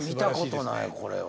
これは。